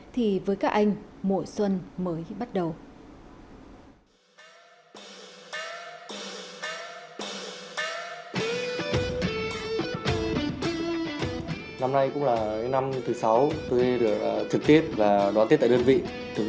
thì với các anh mùa xuân mới bắt đầu